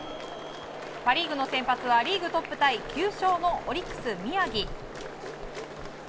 パ・リーグの先発はリーグトップタイ９勝のオリックス、宮城。